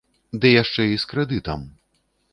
Ды яшчэ і з крэдытам.